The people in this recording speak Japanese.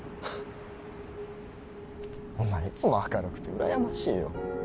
お前いつも明るくて羨ましいよ